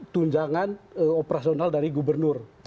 tunjangan operasional dari gubernur